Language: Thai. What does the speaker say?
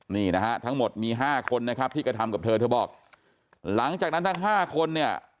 นี่นะฮะทั้งหมดมีห้าคนนะครับที่กระทำกับเธอเธอบอกหลังจากนั้นทั้ง๕คนเนี่ย